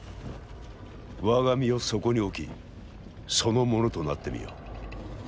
我が身をそこに置きその者となってみよ。